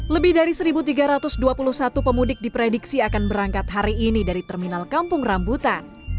lebih dari satu tiga ratus dua puluh satu pemudik diprediksi akan berangkat hari ini dari terminal kampung rambutan